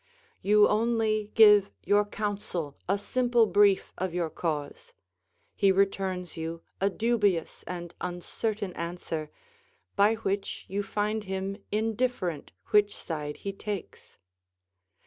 You only give your counsel a simple brief of your cause; he returns you a dubious and uncertain answer, by which you find him indifferent which side he takes.